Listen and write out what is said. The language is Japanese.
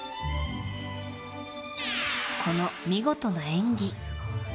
この見事な演技。